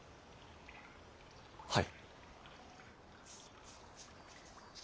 はい。